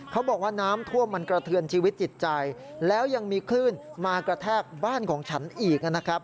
เขาบอกว่าน้ำท่วมมันกระเทือนชีวิตจิตใจแล้วยังมีคลื่นมากระแทกบ้านของฉันอีกนะครับ